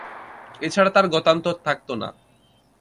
এছাড়া তার গত্যন্তর থাকত না।